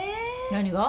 何が？